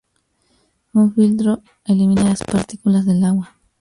Un filtro, elimina las partículas del agua.